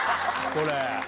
これ。